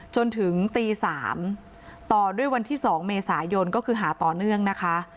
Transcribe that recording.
จนถึงตี๓ต่อด้วยวันที่๒เมษายนก็คือหาต่อเนื่องนะคะ